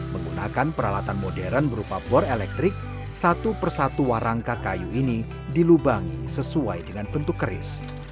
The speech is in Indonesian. menggunakan peralatan modern berupa bor elektrik satu persatu warangka kayu ini dilubangi sesuai dengan bentuk keris